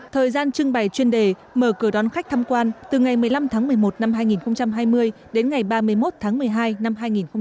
thời gian trưng bày chuyên đề mở cửa đón khách tham quan từ ngày một mươi năm tháng một mươi một năm hai nghìn hai mươi đến ngày ba mươi một tháng một mươi hai năm hai nghìn hai mươi